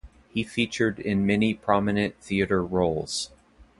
He featured in many prominent theatre roles.